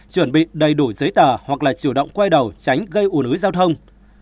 chuẩn bị đầy đủ giấy tờ hoặc là chủ động quay đầu tránh gây ủ nứ giao thông